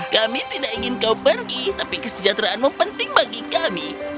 kami tidak ingin kau pergi tapi kesejahteraanmu penting bagi kami